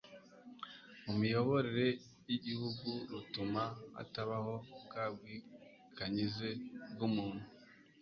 mu miyoborere y'igihugu rutuma hatabaho bwa bwikanyize bw'umuntu